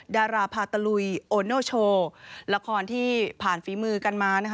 ดาราพาตะลุยโอโนโชว์ละครที่ผ่านฝีมือกันมานะคะ